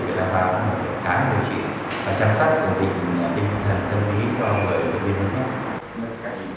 việc đảm bảo kháng điều trị và chăm sóc tâm lý cho bệnh viện tâm thần